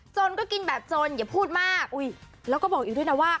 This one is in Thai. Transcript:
จนก็กินแบบจนอย่าพูดมากแล้วก็บอกอีกด้วยนะว่า